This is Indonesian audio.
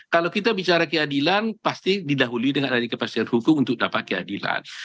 kalau kita bicara keadilan pasti didahului dengan adanya kepastian hukum untuk dapat keadilan